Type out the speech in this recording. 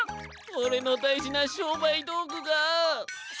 おれのだいじなしょうばいどうぐがっ！